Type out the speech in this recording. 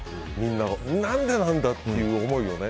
何でなんだっていう思いをね。